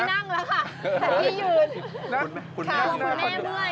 กี้อยู่นนั่งเหมือนคุณแม่ด้วย